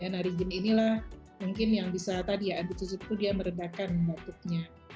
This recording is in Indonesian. narigin inilah mungkin yang bisa tadi ya antisit itu dia meredakan batuknya